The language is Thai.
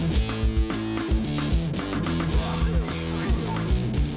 สวัสดีครับ